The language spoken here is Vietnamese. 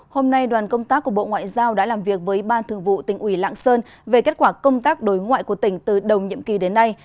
hôm nay đoàn công tác của bộ ngoại giao đã làm việc với ban thường vụ tỉnh ủy lạng sơn về kết quả công tác đối ngoại của tỉnh từ đầu nhiệm kỳ đến nay